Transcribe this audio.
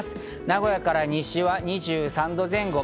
名古屋から西は２３度前後。